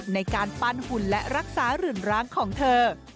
ในการปั้นหุ่นและรักษาหลื่นร้างของเธอ